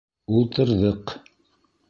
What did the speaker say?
Ултырҙыҡ.